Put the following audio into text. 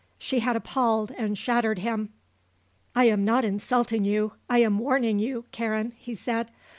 She had appalled and shattered him. "I am not insulting you, I am warning you, Karen," he said.